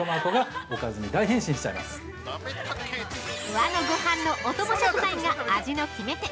◆和のごはんのお供食材が味の決め手。